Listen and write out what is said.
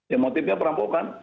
ya motifnya perampokan